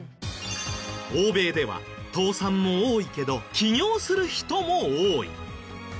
欧米では倒産も多いけど起業する人も多い。